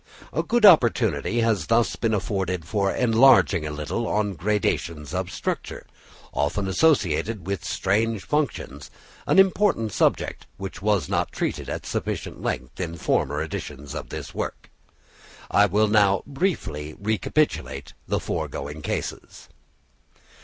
A good opportunity has thus been afforded for enlarging a little on gradations of structure, often associated with strange functions—an important subject, which was not treated at sufficient length in the former editions of this work. I will now briefly recapitulate the foregoing cases.